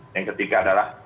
yang ketiga adalah